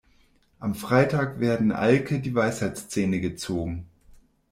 Am Freitag werden Alke die Weisheitszähne gezogen.